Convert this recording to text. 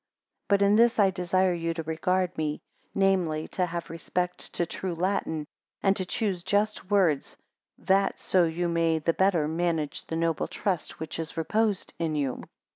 4 But in this I desire you to regard me, namely, to have respect to true Latin, and to choose just words, that so you may the better manage the noble trust which is reposed in you.